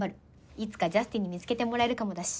いつかジャスティンに見つけてもらえるかもだし。